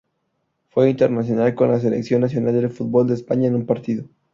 Fue internacional con la Selección nacional de fútbol de España un partido.